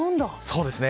そうですね。